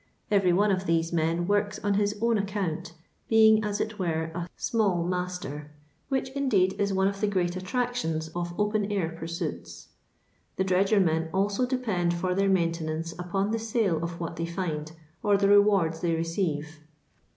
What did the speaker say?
Every one of these men works on his own account, being as it were a " small master," which, indeed, is one of the great attractions of open air pursuits. The dredgermen also depend for their maintenance upon the nie of what they find, or the rewards they receive.